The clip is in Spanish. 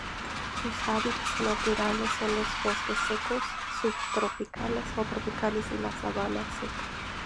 Sus hábitats naturales son los bosques secos subtropicales o tropicales y la sabana seca.